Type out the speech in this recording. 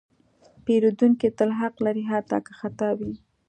پیرودونکی تل حق لري، حتی که خطا وي.